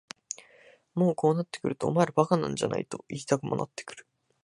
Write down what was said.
もうこうなってくるとお前ら馬鹿なんじゃないと言いたくもなってくる。